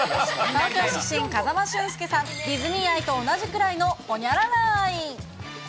東京出身の風間俊介さん、ディズニー愛と同じくらいのホニャララ愛。